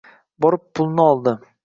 Borib pulni oldi